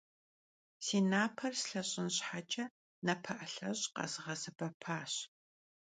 Si naper slheş'ın şheç'e nape'elheş' khezğesebepaş.